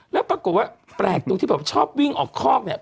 แล้วปรากฏว่าแปลกตรงที่แบบชอบวิ่งออกคอกเนี่ย